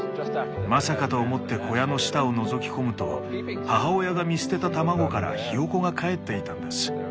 まさかと思って小屋の下をのぞき込むと母親が見捨てた卵からヒヨコがかえっていたんです。